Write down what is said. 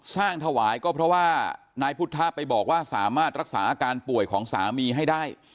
ถวายก็เพราะว่านายพุทธะไปบอกว่าสามารถรักษาอาการป่วยของสามีให้ได้